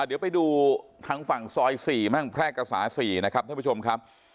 เดี๋ยวไปดูทางฝั่งซอย๔บ้างแพร่กษา๔นะครับท่านผู้ชมครับ